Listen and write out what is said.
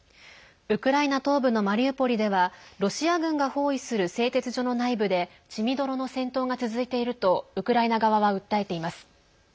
ウクライナ東部のマリウポリではロシア軍が包囲する製鉄所の内部で血みどろの戦闘が続いているとウクライナ側は訴えています。